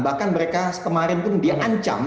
bahkan mereka kemarin pun diancam